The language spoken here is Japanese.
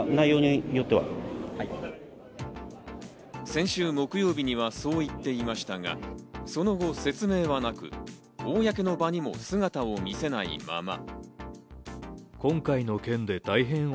先週木曜日にはそう言っていましたが、その後、説明はなく、公の場にも姿を見せないまま。